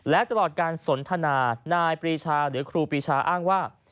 และตลอดการสนทนานายปรีชาหรือครูปีชาอ้างว่า